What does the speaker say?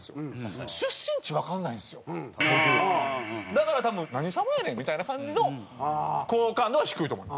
だから多分何様やねんみたいな感じの好感度は低いと思います。